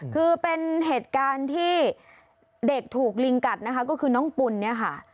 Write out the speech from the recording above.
คือเป็นเหตุการณ์ที่เด็กถูกลิงกัดนะคะก็คือน้องปุ่นเนี่ยค่ะ